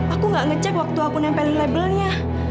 aku gak ngecek waktu aku nempelin labelnya